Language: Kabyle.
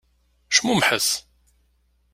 Cmumḥet!